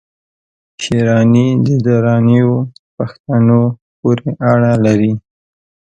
شېراني د درانیو پښتنو پوري اړه لري